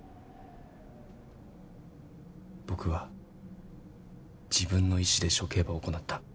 僕は自分の意志で処刑ば行った。